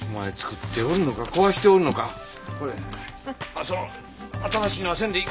あっその新しいのはせんでいい。